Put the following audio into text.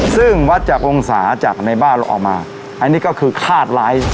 ซึ่งวัดจากองศาจากในบ้านเราออกมาอันนี้ก็คือคาดร้าย